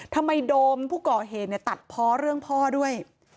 ทำไมโดมผู้ก่อเหตุเนี่ยตัดพอเรื่องพ่อด้วย